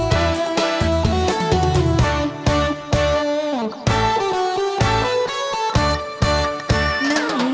มาฟังอินโทรเพลงที่๑๐